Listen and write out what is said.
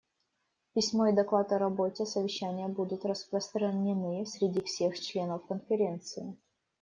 Письмо и доклад о работе совещания будут распространены среди всех членов Конференции.